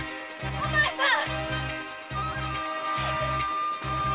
お前さん！